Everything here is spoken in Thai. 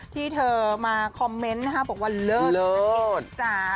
ที่เธอมาคอมเมนต์นะคะบอกว่าเลิศจริงจ้า